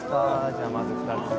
じゃあまず２つと。